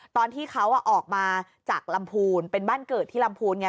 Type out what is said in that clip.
ตอนที่เขาออกมาจากลำพูนเป็นบ้านเกิดที่ลำพูนไง